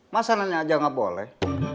masa nanya aja nggak boleh